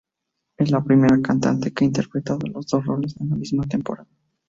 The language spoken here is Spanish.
Es la primera cantante que ha interpretado los dos roles en la misma temporada.